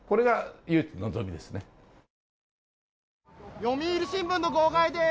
読売新聞の号外です。